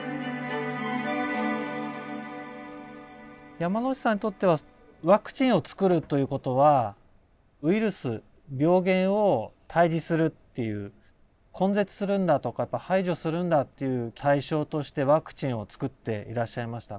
山内さんにとってはワクチンをつくるということはウイルス病原を退治するっていう根絶するんだとか排除するんだっていう対象としてワクチンをつくっていらっしゃいました？